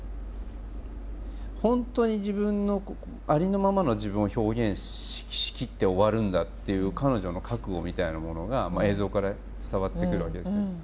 本当に自分のありのままの自分を表現しきって終わるんだっていう彼女の覚悟みたいなものが映像から伝わってくるわけですね。